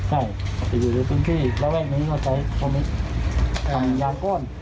ใช่จะอยู่ในพื้นที่แล้วแว่งนี้ก็ใช้ตรงนี้ทำยางก้อน